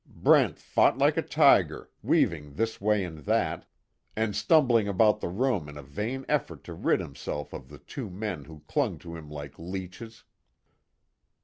Brent fought like a tiger, weaving this way and that, and stumbling about the room in a vain effort to rid himself of the two men who clung to him like leeches.